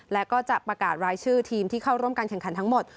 และก็จะประกาศรายชื่อทีมที่เข้าร่วมการแข่งขันทั้งหมด